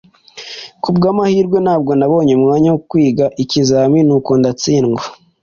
kubwamahirwe, ntabwo nabonye umwanya wo kwiga ikizamini, nuko ndatsindwa